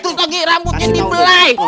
terus lagi rambutnya di belai